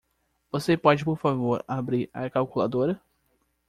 Você pode por favor abrir a calculadora?